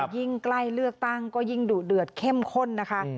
ยิ่งใกล้เลือกตั้งก็ยิ่งดุเดือดเข้มข้นนะคะ